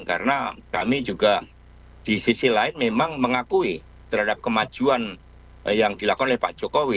karena kami juga di sisi lain memang mengakui terhadap kemajuan yang dilakukan oleh pak jokowi